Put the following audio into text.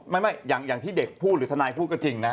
ไม่อย่างที่เด็กพูดหรือทนายพูดก็จริงนะ